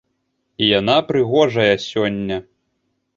І яна прыгожая сёння!